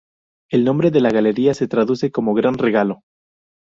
El nombre de la galería se traduce como "gran regalo".